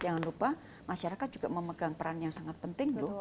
jangan lupa masyarakat juga memegang peran yang sangat penting loh